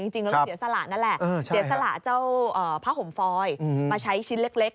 จริงเราก็เสียสละนั่นแหละเสียสละเจ้าผ้าห่มฟอยมาใช้ชิ้นเล็ก